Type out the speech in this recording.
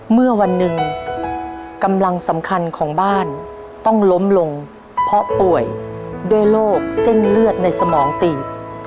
เมื่อวันหนึ่งกำลังสำคัญของบ้านต้องล้มลงเพราะป่วยด้วยโรคเส้นเลือดในสมองตีบ